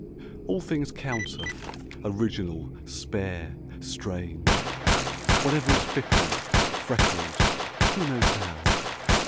All things counter, original, spare, strange; Whatever is fickle, freckled (who knows how?)